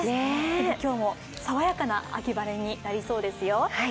今日もさわやかな秋晴れになりそうですよ。